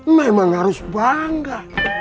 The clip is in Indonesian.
memang harus bangga